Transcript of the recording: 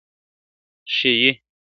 ښيي..